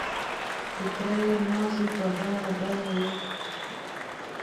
ټکری يې مازې په غاړه کې بند و.